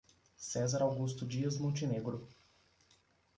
Cezar Augusto Dias Montenegro